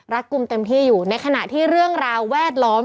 กลุ่มเต็มที่อยู่ในขณะที่เรื่องราวแวดล้อม